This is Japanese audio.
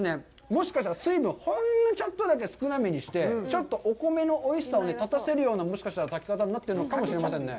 もしかしたら、水分ほんのちょっとだけ少なめにして、ちょっとお米のおいしさを立たせるようなもしかしたら炊き方になっているのかもしれないですね。